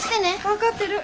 分かってる。